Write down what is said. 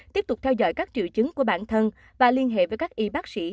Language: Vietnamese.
tiếp tục theo dõi các triệu chứng của bản thân và liên hệ với các y bác sĩ